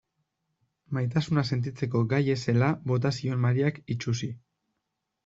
Maitasuna sentitzeko gai ez zela bota zion Mariak itsusi.